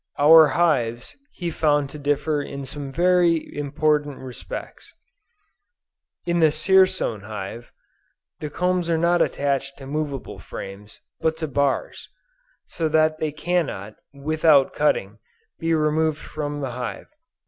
Our hives, he found to differ in some very important respects. In the Dzierzon hive, the combs are not attached to movable frames, but to bars, so that they cannot, without cutting, be removed from the hive.